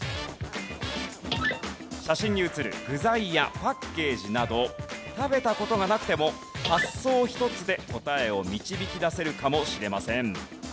写真に写る具材やパッケージなど食べた事がなくても発想一つで答えを導き出せるかもしれません。